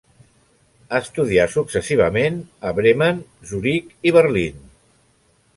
Estudià successivament a Bremen, Zuric i Berlín.